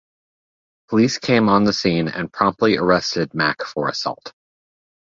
Police came on the scene and promptly arrested Mack for assault.